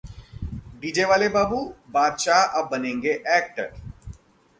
'DJ वाले बाबू' बादशाह अब बनेगें एक्टर!